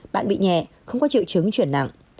bạn bị nhẹ không có triệu chứng chuyển nặng